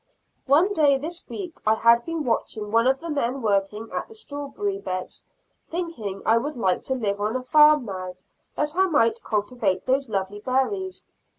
One day this week, I had been watching one of the men working at the strawberry beds, thinking I would like to live on a farm now, that I might cultivate those lovely berries.